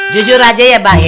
jujur aja ya pak ya